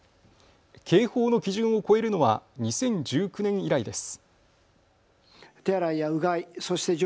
警報の基準を超えるのは２０１９年以来です。